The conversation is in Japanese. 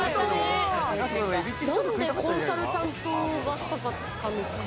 何でコンサルタントがしたかったんですか？